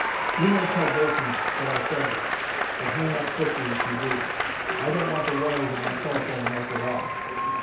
You might tell Bolton that I said that, but hang up quickly if you do. I don't want the wires of my telephone melted off.